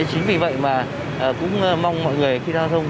chính vì vậy mà cũng mong mọi người khi giao thông